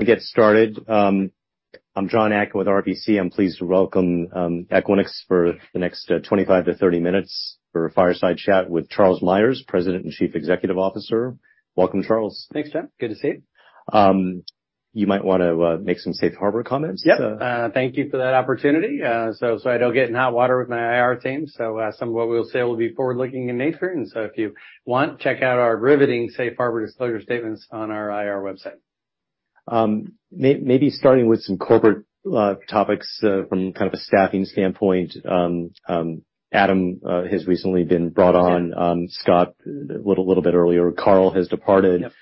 We get started. I'm Jon Atkin with RBC. I'm pleased to welcome Equinix for the next 25-30 minutes for a fireside chat with Charles Meyers, President and Chief Executive Officer. Welcome, Charles. Thanks, Jon. Good to see you. You might want to make some safe harbor comments. Yep. Thank you for that opportunity. So, I don't get in hot water with my IR team. So, some of what we'll say will be forward-looking in nature, and so if you want, check out our riveting safe harbor disclosure statements on our IR website. Maybe starting with some corporate topics from kind of a staffing standpoint. Adam has recently been brought on, Scott a little bit earlier. Karl has departed. Yep.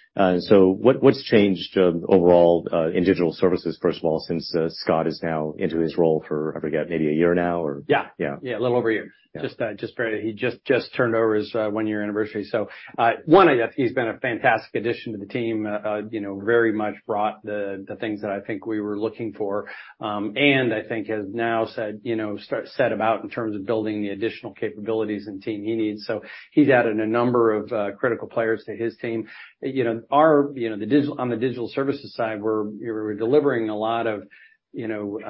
So, what's changed overall in Digital Services, first of all, since Scott is now into his role for, I forget, maybe a year now, or? Yeah. Yeah. Yeah, a little over a year. Yeah. Just, he just turned over his one-year anniversary. So, I think he's been a fantastic addition to the team. You know, very much brought the things that I think we were looking for, and I think has now set about in terms of building the additional capabilities and team he needs. So he's added a number of critical players to his team. You know, on the Digital Services side, we're delivering a lot of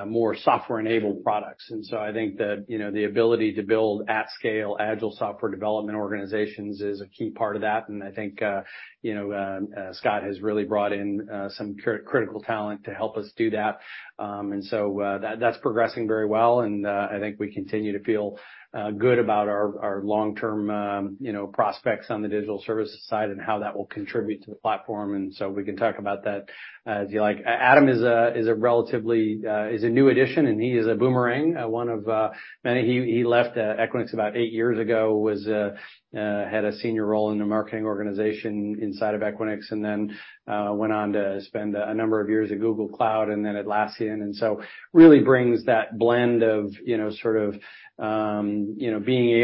more software-enabled products. And so I think that, you know, the ability to build at scale, agile software development organizations is a key part of that. And I think, you know, Scott has really brought in some critical talent to help us do that. And so, that's progressing very well, and I think we continue to feel good about our long-term, you know, prospects on the Digital Services side and how that will contribute to the platform, and so we can talk about that if you like. Adam is a relatively new addition, and he is a boomerang, one of many. He left Equinix about eight years ago, had a senior role in the marketing organization inside of Equinix, and then went on to spend a number of years at Google Cloud and then Atlassian, and so really brings that blend of, you know, sort of, you know, being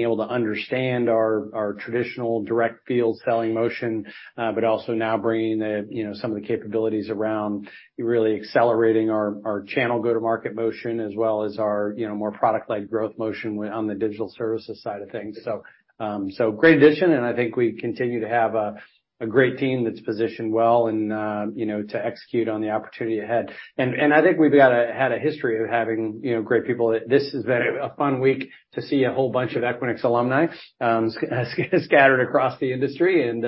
able to understand our traditional direct field selling motion, but also now bringing the, you know, some of the capabilities around really accelerating our channel go-to-market motion, as well as our, you know, more product-led growth motion with on the Digital Services side of things. So, so great addition, and I think we continue to have a great team that's positioned well and, you know, to execute on the opportunity ahead. And I think we've had a history of having, you know, great people. This has been a fun week to see a whole bunch of Equinix alumni scattered across the industry, and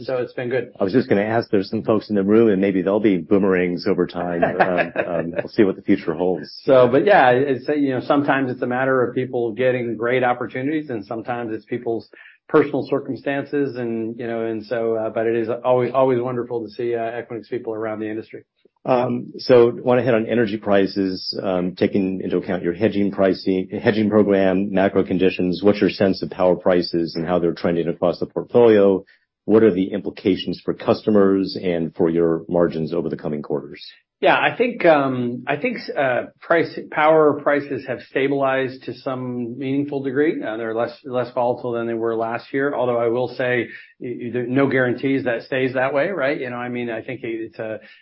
so it's been good. I was just gonna ask, there's some folks in the room, and maybe they'll be boomerangs over time. We'll see what the future holds. So, but yeah, it's, you know, sometimes it's a matter of people getting great opportunities, and sometimes it's people's personal circumstances and, you know, and so, but it is always, always wonderful to see, Equinix people around the industry. So want to hit on energy prices, taking into account your hedging pricing, hedging program, macro conditions. What's your sense of power prices and how they're trending across the portfolio? What are the implications for customers and for your margins over the coming quarters? Yeah, I think, I think, power prices have stabilized to some meaningful degree. They're less, less volatile than they were last year, although I will say no guarantees that stays that way, right? You know, I mean, I think it's,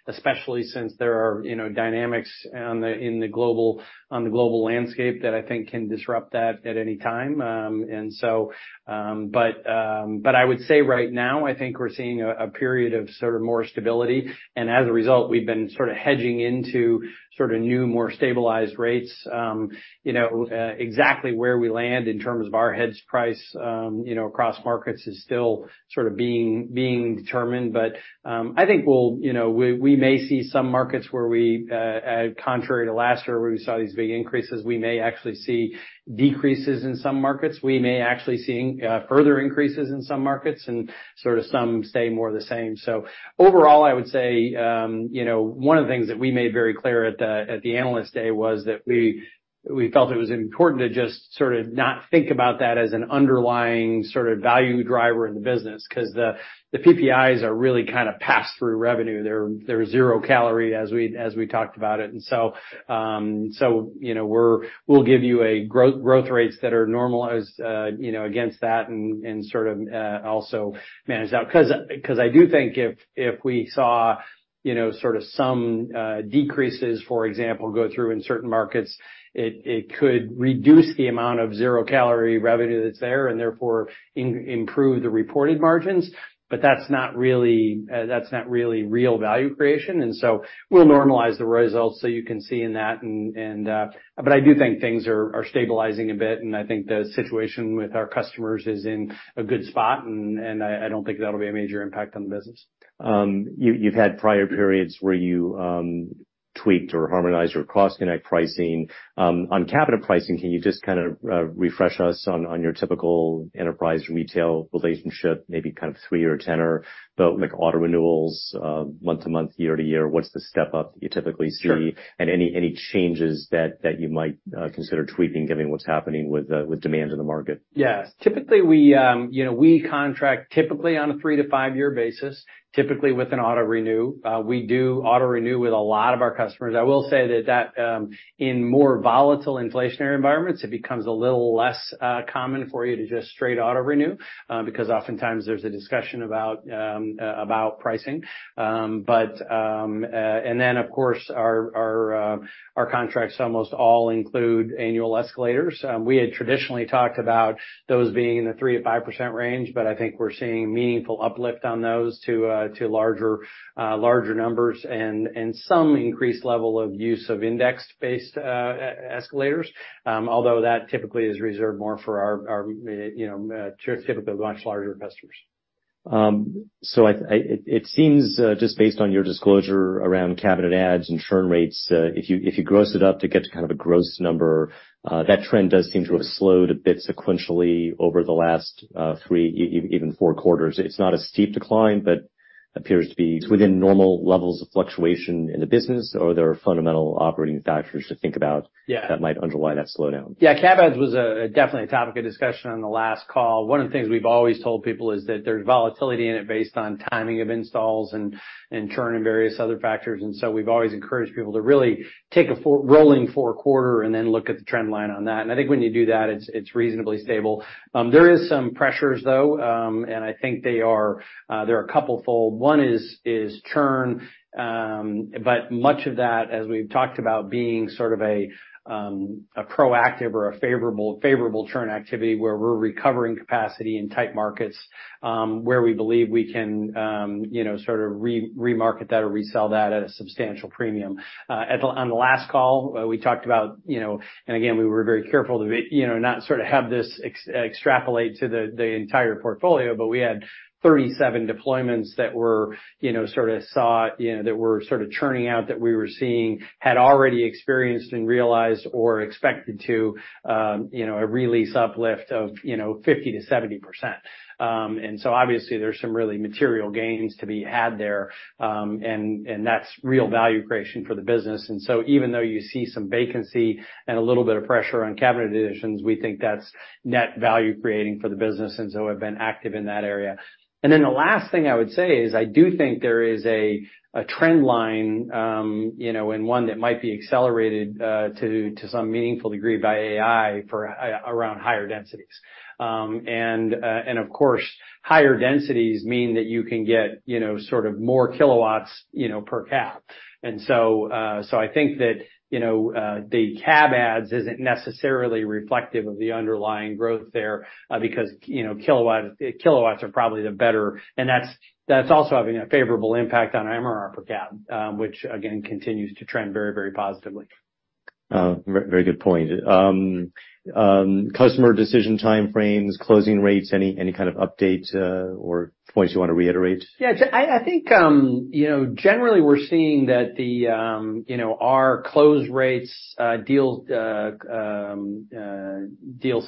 especially since there are, you know, dynamics on the, in the global, on the global landscape that I think can disrupt that at any time. And so, but, but I would say right now, I think we're seeing a, a period of sort of more stability, and as a result, we've been sort of hedging into sort of new, more stabilized rates. You know, exactly where we land in terms of our hedge price, you know, across markets is still sort of being, being determined. But, I think we'll, you know, we, we may see some markets where we, contrary to last year, where we saw these big increases, we may actually see decreases in some markets. We may actually see, further increases in some markets and sort of some stay more the same. So overall, I would say, you know, one of the things that we made very clear at the, at the Analyst Day was that we, we felt it was important to just sort of not think about that as an underlying sort of value driver in the business. Because the, the PPIs are really kind of pass-through revenue. They're, they're zero calorie, as we, as we talked about it. And so, you know, we'll give you growth rates that are normalized against that and sort of also manage that. Because I do think if we saw, you know, sort of some decreases, for example, go through in certain markets, it could reduce the amount of zero-calorie revenue that's there, and therefore, improve the reported margins. But that's not really real value creation, and so we'll normalize the results so you can see in that. But I do think things are stabilizing a bit, and I think the situation with our customers is in a good spot, and I don't think that'll be a major impact on the business. You've had prior periods where you tweaked or harmonized your cross-connect pricing. On cabinet pricing, can you just kind of refresh us on your typical enterprise retail relationship, maybe kind of three-year or tenor, but like auto renewals, month to month, year to year, what's the step up that you typically see? Sure. Any changes that you might consider tweaking, given what's happening with demand in the market? Yes. Typically, we, you know, we contract typically on a three to five-year basis, typically with an auto renew. We do auto renew with a lot of our customers. I will say that in more volatile inflationary environments, it becomes a little less common for you to just straight auto renew because oftentimes there's a discussion about pricing. But, and then, of course, our contracts almost all include annual escalators. We had traditionally talked about those being in the 3%-5% range, but I think we're seeing meaningful uplift on those to larger numbers and some increased level of use of index-based escalators. Although that typically is reserved more for our, you know, typically much larger investors. So it seems just based on your disclosure around cabinet adds and churn rates, if you gross it up to get to kind of a gross number, that trend does seem to have slowed a bit sequentially over the last three, even four quarters. It's not a steep decline, but appears to be within normal levels of fluctuation in the business, or there are fundamental operating factors to think about that might underlie that slowdown? Yeah, cab adds was definitely a topic of discussion on the last call. One of the things we've always told people is that there's volatility in it based on timing of installs and churn and various other factors. So we've always encouraged people to really take a four-quarter rolling and then look at the trend line on that. And I think when you do that, it's reasonably stable. There is some pressures, though, and I think they are they're a couple-fold. One is churn, but much of that, as we've talked about, being sort of a proactive or a favorable churn activity, where we're recovering capacity in tight markets, where we believe we can, you know, sort of re-market that or resell that at a substantial premium. On the last call, we talked about, you know, and again, we were very careful to make, you know, not sort of have this extrapolate to the entire portfolio, but we had 37 deployments that were, you know, sort of saw, you know, that were sort of churning out, that we were seeing, had already experienced and realized or expected to realize uplift of, you know, 50%-70%. And so obviously, there's some really material gains to be had there, and that's real value creation for the business. And so even though you see some vacancy and a little bit of pressure on cabinet additions, we think that's net value creating for the business, and so have been active in that area. And then the last thing I would say is, I do think there is a trend line, you know, and one that might be accelerated to some meaningful degree by AI for around higher densities. And of course, higher densities mean that you can get, you know, sort of more kilowatts, you know, per cap. And so, so I think that, you know, the cab adds isn't necessarily reflective of the underlying growth there, because, you know, kilowatt, kilowatts are probably the better. And that's also having a favorable impact on MRR per cab, which again, continues to trend very, very positively. Very, very good point. Customer decision timeframes, closing rates, any, any kind of update, or points you want to reiterate? Yeah, I think, you know, generally we're seeing that, you know, our close rates, deal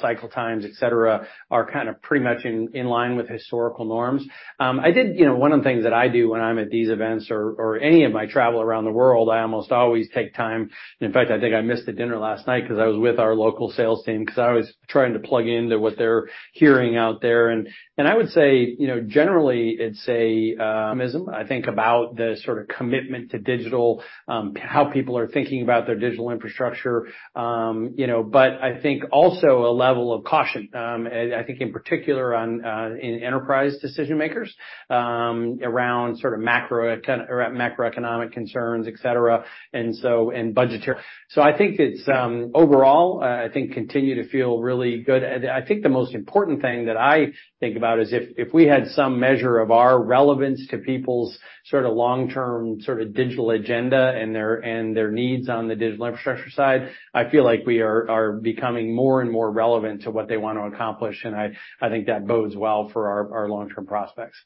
cycle times, et cetera, are kind of pretty much in line with historical norms. I did, you know, one of the things that I do when I'm at these events or any of my travel around the world, I almost always take time, in fact, I think I missed the dinner last night because I was with our local sales team, because I was trying to plug into what they're hearing out there. And I would say, you know, generally, it's a, I think about the sort of commitment to digital, how people are thinking about their digital infrastructure. You know, but I think also a level of caution. I think in particular on in enterprise decision makers around sort of macroeconomic concerns, et cetera, and so, and budgetary. So I think it's overall I think continue to feel really good. I think the most important thing that I think about is if we had some measure of our relevance to people's sort of long-term, sort of digital agenda and their and their needs on the digital infrastructure side. I feel like we are becoming more and more relevant to what they want to accomplish, and I think that bodes well for our long-term prospects.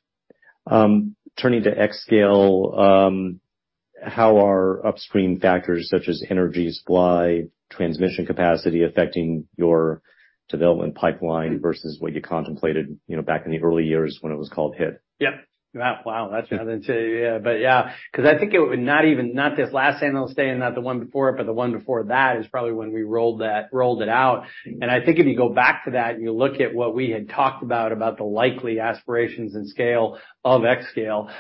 Turning to xScale, how are upstream factors such as energy supply, transmission capacity, affecting your development pipeline versus what you contemplated, you know, back in the early years when it was called HIT? Yeah. Wow, wow! That's something to. Yeah. But yeah, because I think it, not even, not this last analyst day and not the one before it, but the one before that, is probably when we rolled it out. And I think if you go back to that, and you look at what we had talked about, about the likely aspirations and scale of xScale,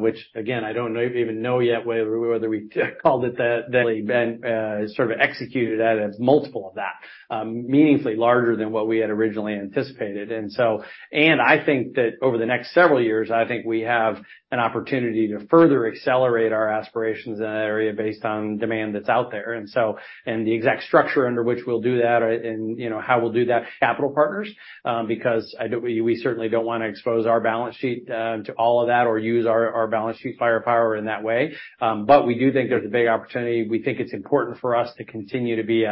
which again, I don't know yet whether we called it that, then, sort of executed at a multiple of that. Meaningfully larger than what we had originally anticipated. And so. And I think that over the next several years, I think we have an opportunity to further accelerate our aspirations in that area based on demand that's out there. And so, the exact structure under which we'll do that and, you know, how we'll do that with capital partners, because we certainly don't want to expose our balance sheet to all of that or use our balance sheet firepower in that way. But we do think there's a big opportunity. We think it's important for us to continue to be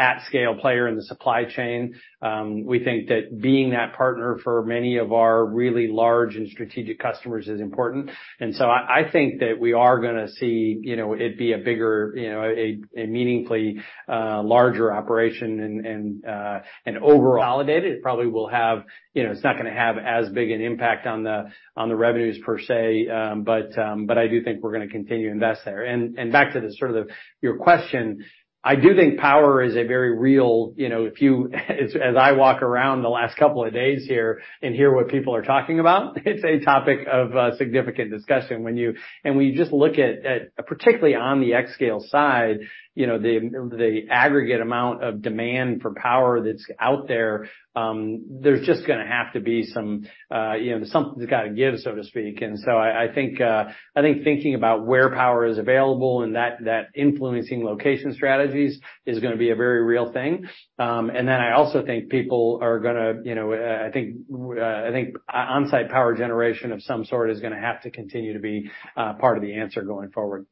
at-scale player in the supply chain. We think that being that partner for many of our really large and strategic customers is important. And so I think that we are gonna see, you know, it be a bigger, you know, a meaningfully larger operation and overall validate it. It probably will have. You know, it's not gonna have as big an impact on the revenues per se, but I do think we're gonna continue to invest there. And back to the sort of your question, I do think power is a very real, you know, if you, as I walk around the last couple of days here and hear what people are talking about, it's a topic of significant discussion. And when you just look at, particularly on the xScale side, you know, the aggregate amount of demand for power that's out there, there's just gonna have to be some, you know, something's gotta give, so to speak. And so I think thinking about where power is available and that influencing location strategies is gonna be a very real thing. I also think people are gonna, you know, I think on-site power generation of some sort is gonna have to continue to be part of the answer going forward.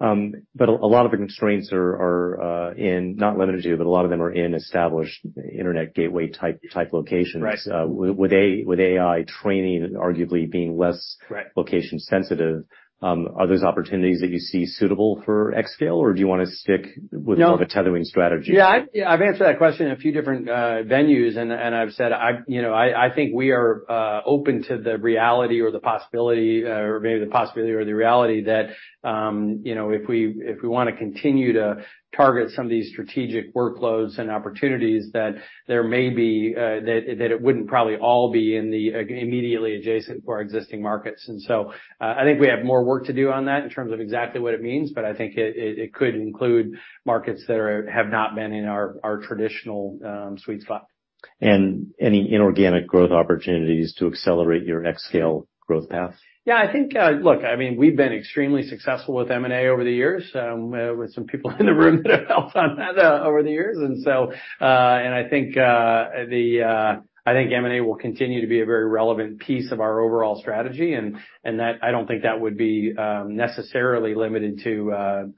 But a lot of the constraints are in, not limited to, but a lot of them are in established internet gateway type locations. Right. with AI training arguably being less- Correct. -location-sensitive, are those opportunities that you see suitable for xScale, or do you want to stick- No. with more of a tethering strategy? Yeah, I've answered that question in a few different venues, and I've said, you know, I think we are open to the reality or the possibility, or maybe the possibility or the reality that, you know, if we want to continue to target some of these strategic workloads and opportunities, that there may be that it wouldn't probably all be in the immediately adjacent to our existing markets. And so, I think we have more work to do on that in terms of exactly what it means, but I think it could include markets that have not been in our traditional sweet spot. Any inorganic growth opportunities to accelerate your xScale growth path? Yeah, I think. Look, I mean, we've been extremely successful with M&A over the years, with some people in the room that have helped on that, over the years. And so, and I think, I think M&A will continue to be a very relevant piece of our overall strategy, and, and that- I don't think that would be, necessarily limited to,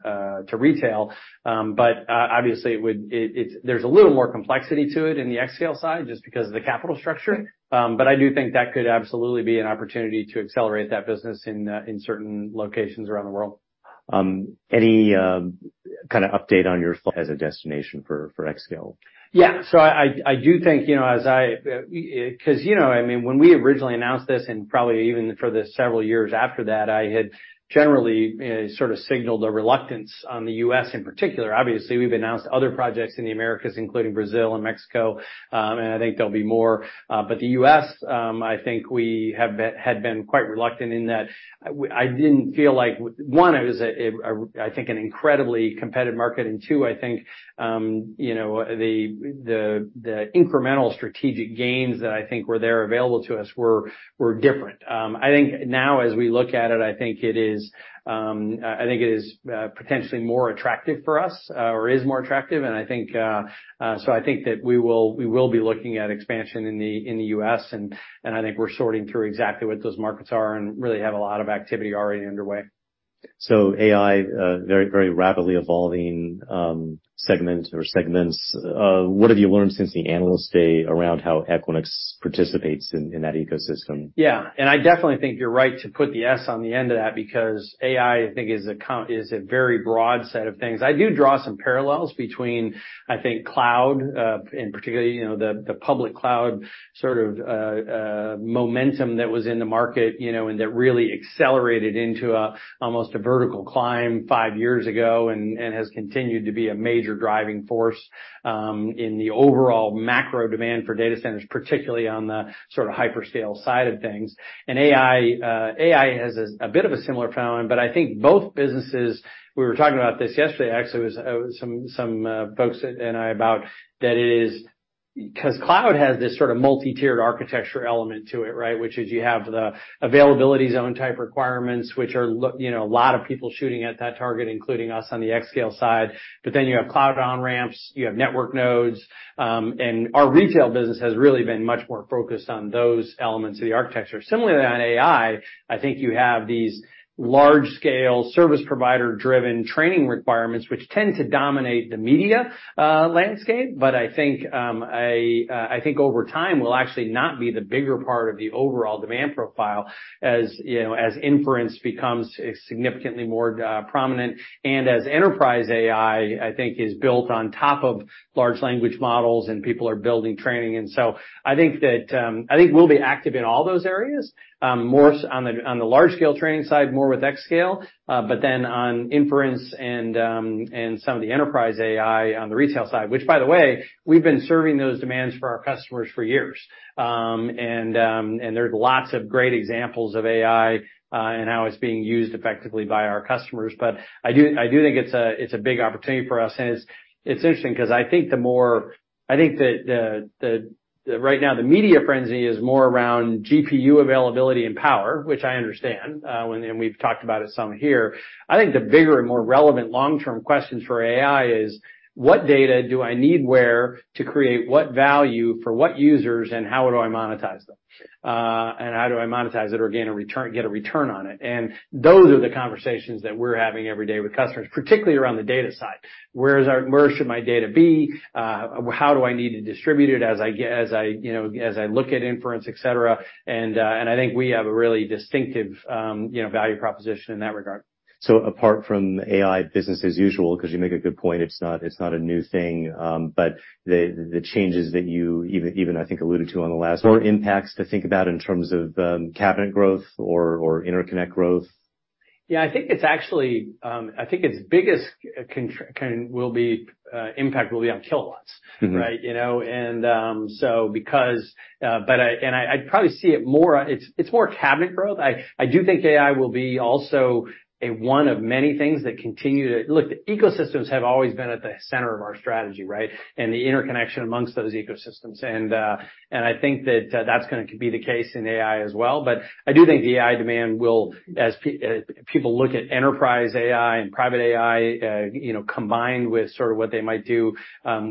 to retail. But, obviously, it would, it, it's- there's a little more complexity to it in the xScale side, just because of the capital structure. But I do think that could absolutely be an opportunity to accelerate that business in, in certain locations around the world. Any kind of update on your xScale as a destination for xScale? Yeah. So I do think, you know, as I 'cause, you know, I mean, when we originally announced this, and probably even for the several years after that, I had generally sort of signaled a reluctance on the US in particular. Obviously, we've announced other projects in the Americas, including Brazil and Mexico, and I think there'll be more. But the U.S., I think we have been, had been quite reluctant in that. I didn't feel like, one, it was a I think an incredibly competitive market, and two, I think you know, the incremental strategic gains that I think were there available to us were different. I think now as we look at it, I think it is potentially more attractive for us, or is more attractive, and I think that we will be looking at expansion in the U.S., and I think we're sorting through exactly what those markets are and really have a lot of activity already underway. So AI, very, very rapidly evolving segment or segments. What have you learned since the Analyst Day around how Equinix participates in, in that ecosystem? Yeah, and I definitely think you're right to put the S on the end of that, because AI, I think, is a very broad set of things. I do draw some parallels between, I think, cloud, in particular, you know, the public cloud, sort of, momentum that was in the market, you know, and that really accelerated into almost a vertical climb five years ago, and has continued to be a major driving force in the overall macro demand for data centers, particularly on the sort of hyperscale side of things. And AI has a bit of a similar problem, but I think both businesses. We were talking about this yesterday, actually, it was some folks and I about that it is, 'cause cloud has this sort of multi-tiered architecture element to it, right? Which is you have the availability zone type requirements, which are look, you know, a lot of people shooting at that target, including us on the xScale side. But then you have cloud on-ramps, you have network nodes, and our retail business has really been much more focused on those elements of the architecture. Similarly, on AI, I think you have these large-scale service provider-driven training requirements, which tend to dominate the media landscape. But I think, I think over time, will actually not be the bigger part of the overall demand profile, as, you know, as inference becomes significantly more prominent and as enterprise AI, I think, is built on top of large language models and people are building training. And so I think that, I think we'll be active in all those areas, more on the, on the large scale training side, more with xScale, but then on inference and, and some of the enterprise AI on the retail side, which, by the way, we've been serving those demands for our customers for years. And, and there's lots of great examples of AI, and how it's being used effectively by our customers. But I do, I do think it's a, it's a big opportunity for us, and it's, it's interesting because I think that the, the, right now, the media frenzy is more around GPU availability and power, which I understand, and, and we've talked about it some here. I think the bigger and more relevant long-term questions for AI is: What data do I need where to create what value for what users, and how do I monetize them? And how do I monetize it or gain a return- get a return on it? And those are the conversations that we're having every day with customers, particularly around the data side. Where is our. Where should my data be? How do I need to distribute it as I, you know, as I look at inference, et cetera? And I think we have a really distinctive, you know, value proposition in that regard. So apart from AI business as usual, 'cause you make a good point, it's not, it's not a new thing, but the, the changes that you even, even I think, alluded to on the last one, impacts to think about in terms of, cabinet growth or, or interconnect growth? Yeah, I think it's actually I think its biggest impact will be on kilowatts, right? Mm-hmm. You know, but I and I, I'd probably see it more, it's more cabinet growth. I do think AI will be also one of many things that continue to look, the ecosystems have always been at the center of our strategy, right? And the interconnection amongst those ecosystems. And I think that, that's gonna be the case in AI as well. But I do think the AI demand will, as people look at enterprise AI and private AI, you know, combined with sort of what they might do,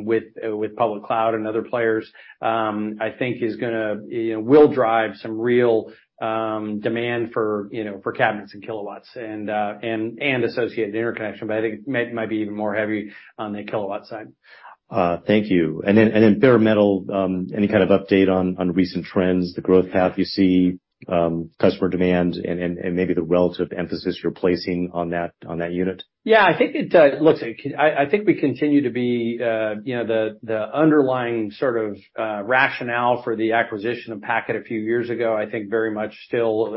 with public cloud and other players, I think is gonna, you know, will drive some real demand for, you know, for cabinets and kilowatts and, and associated interconnection, but I think it might be even more heavy on the kilowatt side. Thank you. And then bare metal, any kind of update on recent trends, the growth path you see, customer demand and maybe the relative emphasis you're placing on that unit? Yeah, I think it. Look, I think we continue to be, you know, the underlying sort of rationale for the acquisition of Packet a few years ago. I think very much still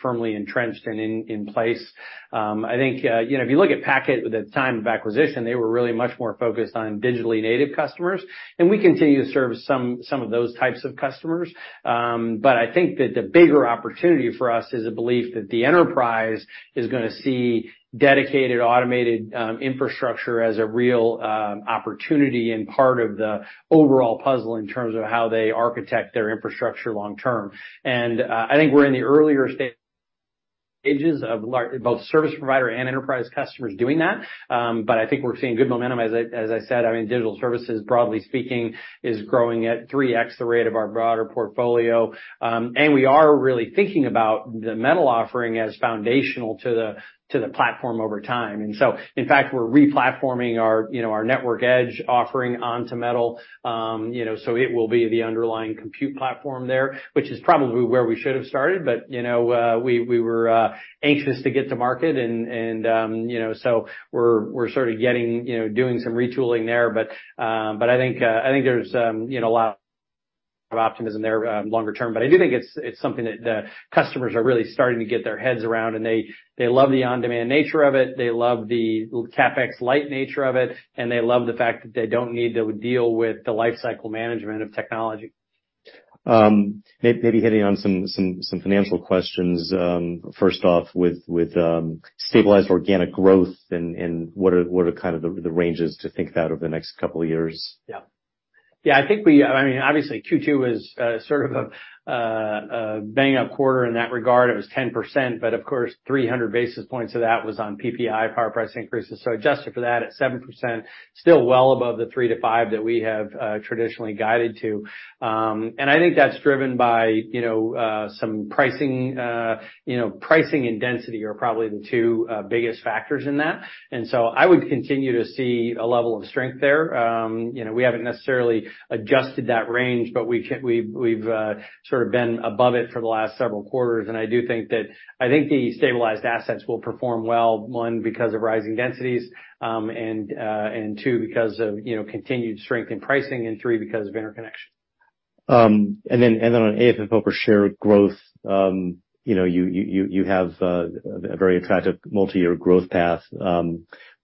firmly entrenched and in place. I think, you know, if you look at Packet at the time of acquisition, they were really much more focused on digitally native customers, and we continue to serve some of those types of customers. But I think that the bigger opportunity for us is a belief that the enterprise is gonna see dedicated, automated infrastructure as a real opportunity and part of the overall puzzle in terms of how they architect their infrastructure long term. And I think we're in the earlier stages of both service provider and enterprise customers doing that. But I think we're seeing good momentum. As I said, I mean, Digital Services, broadly speaking, is growing at 3x the rate of our broader portfolio. And we are really thinking about the metal offering as foundational to the platform over time. And so, in fact, we're replatforming our, you know, our Network Edge offering onto metal. You know, so it will be the underlying compute platform there, which is probably where we should have started, but, you know, we were anxious to get to market and, you know, so we're sort of getting, you know, doing some retooling there. But I think there's, you know, a lot of optimism there, longer term. But I do think it's something that the customers are really starting to get their heads around, and they love the on-demand nature of it, they love the CapEx-light nature of it, and they love the fact that they don't need to deal with the lifecycle management of technology. Maybe hitting on some financial questions. First off, with stabilized organic growth and what are kind of the ranges to think about over the next couple of years? Yeah. Yeah, I think we I mean, obviously, Q2 was sort of a bang-up quarter in that regard. It was 10%, but of course, 300 basis points of that was on PPI, power pricing increases. So adjusted for that, at 7%, still well above the 3%-5% that we have traditionally guided to. And I think that's driven by, you know, some pricing, you know, pricing and density are probably the two biggest factors in that. And so I would continue to see a level of strength there. You know, we haven't necessarily adjusted that range, but we've sort of been above it for the last several quarters, and I do think that, I think the stabilized assets will perform well, one, because of rising densities, and two, because of, you know, continued strength in pricing, and three, because of interconnection. And then on AFFO per share growth, you know, you have a very attractive multi-year growth path.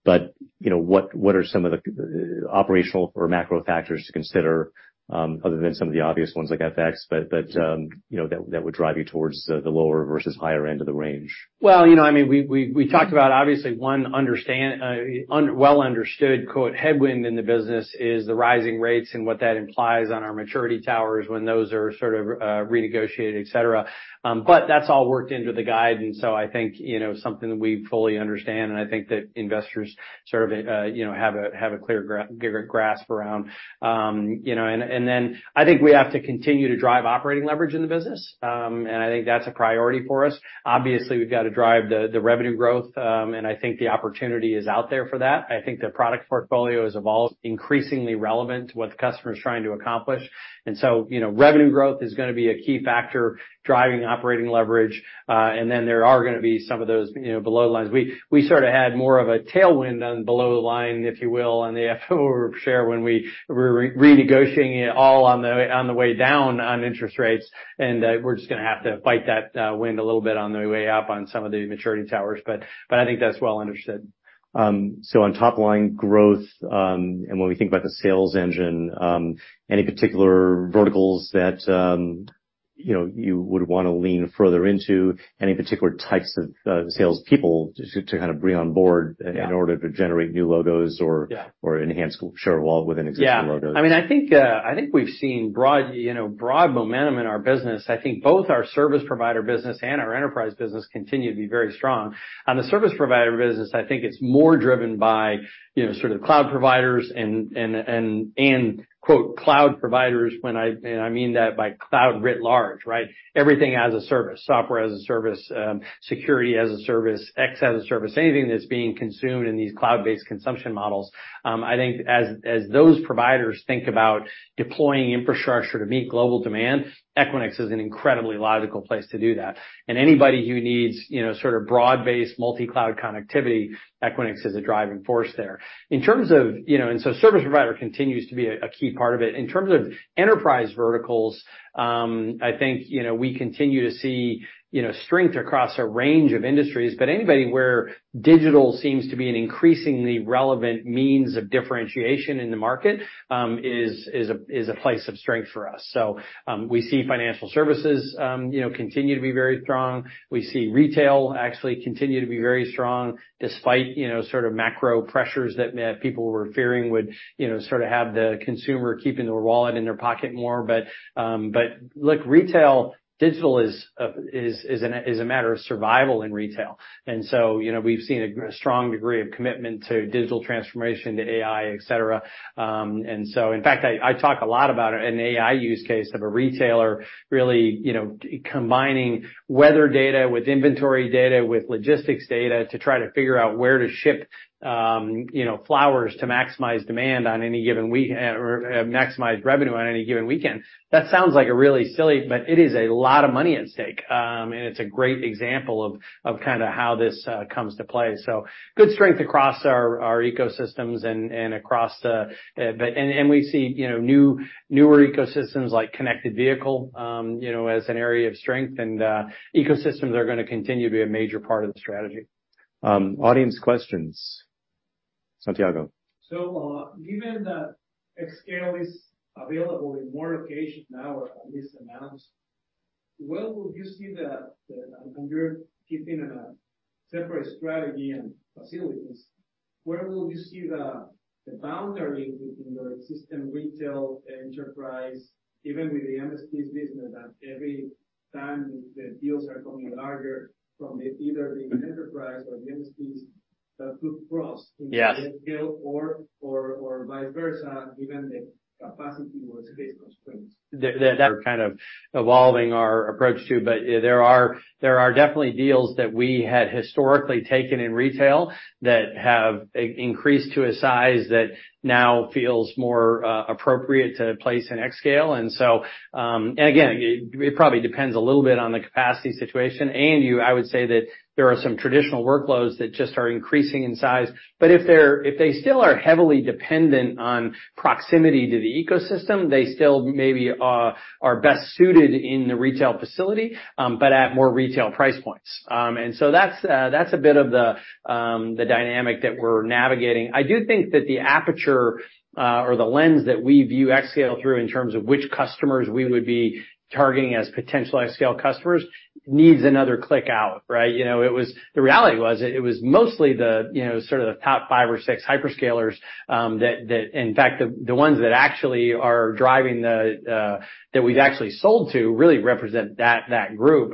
But you know, what are some of the operational or macro factors to consider, other than some of the obvious ones like FX, but you know, that would drive you towards the lower versus higher end of the range? Well, you know, I mean, we talked about obviously one understands a well understood "headwind" in the business is the rising rates and what that implies on our maturity towers when those are sort of renegotiated, et cetera. But that's all worked into the guide, and so I think, you know, something that we fully understand, and I think that investors sort of, you know, have a clear grasp around. You know, and then I think we have to continue to drive operating leverage in the business. And I think that's a priority for us. Obviously, we've got to drive the revenue growth, and I think the opportunity is out there for that. I think the product portfolio has evolved, increasingly relevant to what the customer is trying to accomplish. So, you know, revenue growth is gonna be a key factor driving operating leverage. And then there are gonna be some of those, you know, below the lines. We sort of had more of a tailwind on below the line, if you will, on the AFFO share when we were renegotiating it all on the, on the way down on interest rates. And we're just gonna have to fight that wind a little bit on the way up on some of the maturity towers, but I think that's well understood. So on top-line growth, and when we think about the sales engine, any particular verticals that, you know, you would want to lean further into any particular types of, salespeople to, to kind of bring on board? Yeah. in order to generate new logos or enhance share of wallet within existing logos? Yeah. I mean, I think, I think we've seen broad, you know, broad momentum in our business. I think both our service provider business and our enterprise business continue to be very strong. On the service provider business, I think it's more driven by, you know, sort of cloud providers and, quote, "cloud providers," when I and I mean that by cloud writ large, right? Everything as a service, software as a service, security as a service, X as a service, anything that's being consumed in these cloud-based consumption models. I think as those providers think about deploying infrastructure to meet global demand, Equinix is an incredibly logical place to do that. And anybody who needs, you know, sort of broad-based, multi-cloud connectivity, Equinix is a driving force there. In terms of, you know, and so service provider continues to be a key part of it. In terms of enterprise verticals, I think, you know, we continue to see, you know, strength across a range of industries, but anybody where digital seems to be an increasingly relevant means of differentiation in the market is a place of strength for us. So, we see financial services, you know, continue to be very strong. We see retail actually continue to be very strong, despite, you know, sort of macro pressures that people were fearing would, you know, sort of have the consumer keeping their wallet in their pocket more. But look, retail - digital is a matter of survival in retail. And so, you know, we've seen a strong degree of commitment to digital transformation, to AI, et cetera. And so in fact, I talk a lot about an AI use case of a retailer really, you know, combining weather data with inventory data, with logistics data, to try to figure out where to ship, you know, flowers to maximize demand on any given week, or maximize revenue on any given weekend. That sounds like a really silly, but it is a lot of money at stake. And it's a great example of kind of how this comes to play. So good strength across our ecosystems and across the. We see, you know, newer ecosystems like connected vehicle, you know, as an area of strength, and ecosystems are going to continue to be a major part of the strategy. Audience questions. Santiago? So, given that xScale is available in more locations now, or at least announced, where will you see the, and you're keeping a separate strategy and facilities, where will you see the boundary in your system, retail, enterprise, even with the MSPs business, that every time the deals are becoming larger from either the enterprise or the MSPs that could cross. Yes. In scale or vice versa, given the capacity or space constraints? That we're kind of evolving our approach to, but there are definitely deals that we had historically taken in retail that have increased to a size that now feels more appropriate to place in xScale. And so, again, it probably depends a little bit on the capacity situation. And I would say that there are some traditional workloads that just are increasing in size. But if they still are heavily dependent on proximity to the ecosystem, they still maybe are best suited in the retail facility, but at more retail price points. And so that's a bit of the dynamic that we're navigating. I do think that the aperture, or the lens that we view xScale through, in terms of which customers we would be targeting as potential xScale customers, needs another click out, right? You know, the reality was, it was mostly the, you know, sort of the top five or six hyperscalers, that. In fact, the ones that actually are driving the, that we've actually sold to, really represent that group.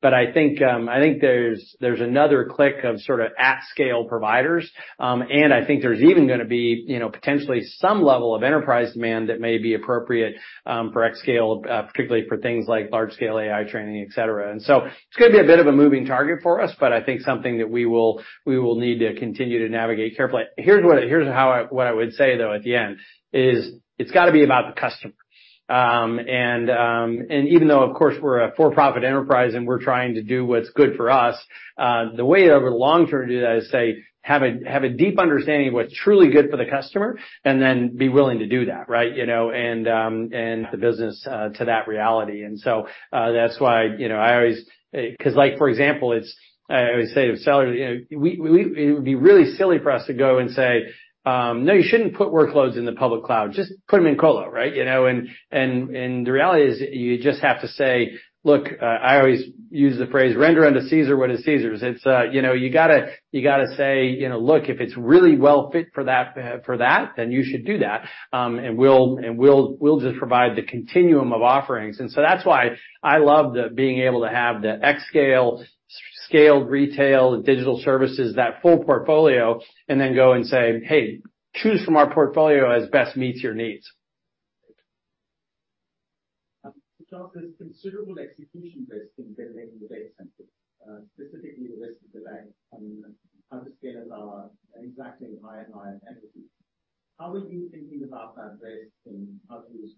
But I think there's another click of sort of at scale providers. And I think there's even going to be, you know, potentially some level of enterprise demand that may be appropriate, for xScale, particularly for things like large scale AI training, et cetera. And so it's going to be a bit of a moving target for us, but I think something that we will need to continue to navigate carefully. Here's what I would say, though, at the end, is it's got to be about the customer. Even though, of course, we're a for-profit enterprise and we're trying to do what's good for us, the way over the long term to do that is to have a deep understanding of what's truly good for the customer, and then be willing to do that, right? You know, and the business to that reality. That's why, you know, I always 'cause like, for example, I always say to sellers, you know, it would be really silly for us to go and say, "No, you shouldn't put workloads in the public cloud. Just put them in colo," right? You know, and the reality is, you just have to say, look, I always use the phrase, "Render unto Caesar what is Caesar's." It's, you know, you gotta say, you know, "Look, if it's really well fit for that, for that, then you should do that," and we'll just provide the continuum of offerings. And so that's why I love the being able to have the xScale, scaled retail and Digital Services, that full portfolio, and then go and say, "Hey, choose from our portfolio as best meets your needs." There's considerable execution risk in building the data center, specifically the risk of the build, hyperscalers are expecting higher and higher density. How are you thinking about that risk and how to use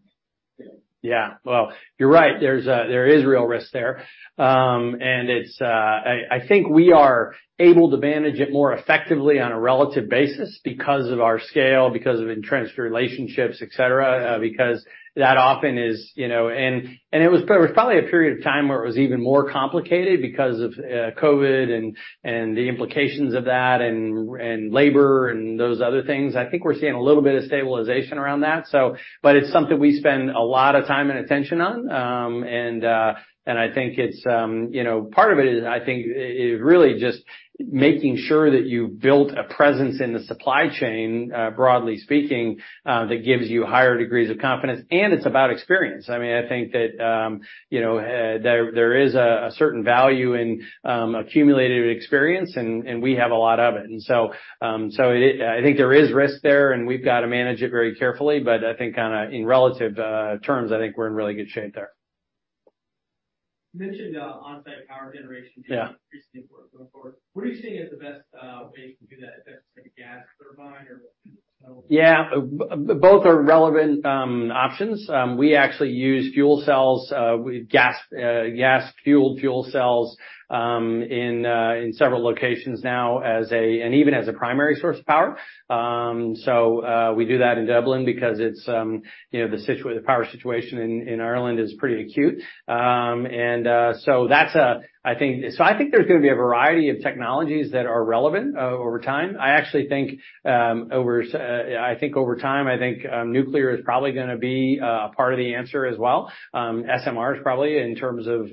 it? Yeah. Well, you're right. There's, there is real risk there. And it's, I, I think we are able to manage it more effectively on a relative basis because of our scale, because of entrenched relationships, et cetera, because that often is, you know, and, and it was probably, probably a period of time where it was even more complicated because of, COVID and, and the implications of that, and, and labor, and those other things. I think we're seeing a little bit of stabilization around that, so but it's something we spend a lot of time and attention on. I think it's, you know, part of it is, I think, it really just making sure that you built a presence in the supply chain, broadly speaking, that gives you higher degrees of confidence, and it's about experience. I mean, I think that, you know, there is a certain value in accumulated experience, and we have a lot of it. And so, I think there is risk there, and we've got to manage it very carefully, but I think in relative terms, I think we're in really good shape there. You mentioned on-site power generation. Yeah. Increasing work going forward. What are you seeing as the best way to do that, if that's like a gas turbine or what? Yeah, both are relevant options. We actually use fuel cells with gas-fueled fuel cells in several locations now and even as a primary source of power. So, we do that in Dublin because it's, you know, the power situation in Ireland is pretty acute. And, so that's a, I think. So I think there's gonna be a variety of technologies that are relevant over time. I actually think over time nuclear is probably gonna be part of the answer as well. SMR is probably in terms of,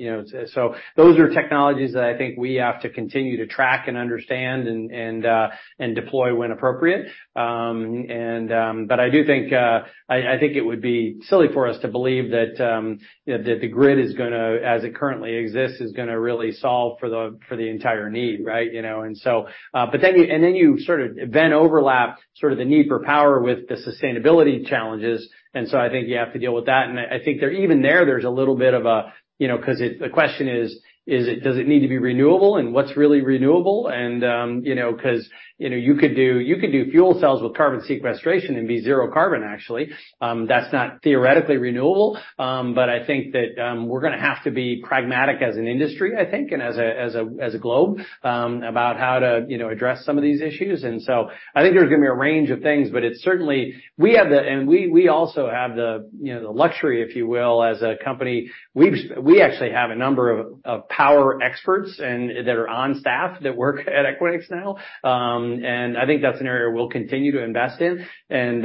you know, so those are technologies that I think we have to continue to track and understand and deploy when appropriate. But I do think it would be silly for us to believe that, you know, that the grid is gonna, as it currently exists, is gonna really solve for the entire need, right? You know, and so, but then you sort of overlap the need for power with the sustainability challenges, and so I think you have to deal with that. And I think that even there, there's a little bit of a, you know, 'cause the question is, does it need to be renewable, and what's really renewable? And, you know, 'cause, you know, you could do fuel cells with carbon sequestration and be zero carbon, actually. That's not theoretically renewable, but I think that we're gonna have to be pragmatic as an industry, I think, and as a globe about how to, you know, address some of these issues. And so I think there's gonna be a range of things, but it's certainly we also have the, you know, the luxury, if you will, as a company. We actually have a number of power experts that are on staff that work at Equinix now. And I think that's an area we'll continue to invest in. And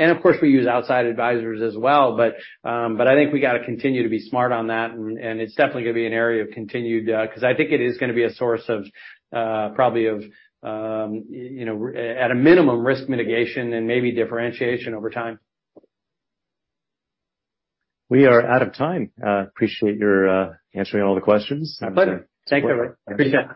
of course, we use outside advisors as well, but I think we got to continue to be smart on that, and it's definitely gonna be an area of continued 'cause I think it is gonna be a source of probably of you know, at a minimum, risk mitigation and maybe differentiation over time. We are out of time. Appreciate your answering all the questions. My pleasure. Thanks, everyone. Appreciate it.